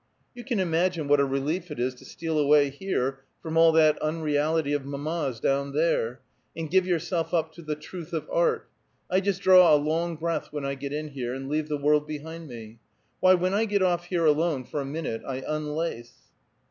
"You can imagine what a relief it is to steal away here from all that unreality of mamma's, down there, and give yourself up to the truth of art; I just draw a long breath when I get in here, and leave the world behind me. Why, when I get off here alone, for a minute, I unlace!"